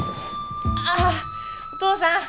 ああっお父さん